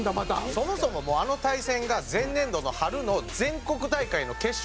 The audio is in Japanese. そもそもあの対戦が前年度の春の全国大会の決勝のカードですから。